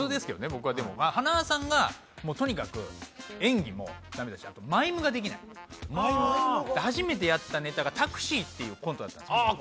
僕はでも塙さんがとにかく演技もダメだしあとマイムができない初めてやったネタが「タクシー」っていうコントだったんですけどあ